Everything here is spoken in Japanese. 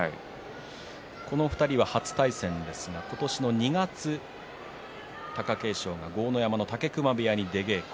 この２人は初対戦ですが今年の２月貴景勝が豪ノ山の武隈部屋に出稽古